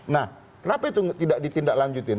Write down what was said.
nah kenapa itu tidak ditindaklanjutin